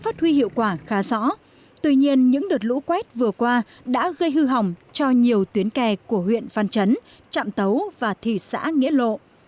tuy rõ tuy nhiên những đợt lũ quét vừa qua đã gây hư hỏng cho nhiều tuyến kè của huyện văn chấn trạm tấu và thị xã nghĩa lộ